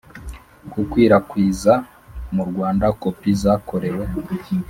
Gukwirakiza mu Rwanda kopi zakorewe